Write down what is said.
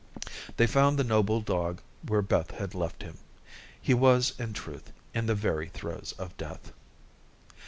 They found the noble dog where Beth had left him. He was, in truth, in the very throes of death.